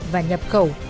và nhập khẩu